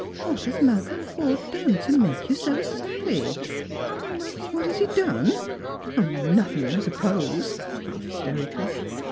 _ Whai hos M.alcolm Forde done to make you so savage ?"" What has he done? O, nothing, I suppose," half hysteri cally.